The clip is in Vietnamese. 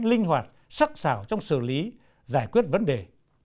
linh hoạt sắc xảo trong xử lý giải quyết vấn đề